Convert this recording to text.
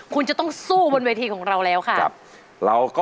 คุณยาย